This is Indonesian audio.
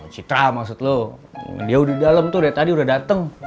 citra maksud lo dia udah dalam tuh dari tadi udah dateng